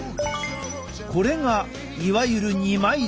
これがいわゆる二枚爪。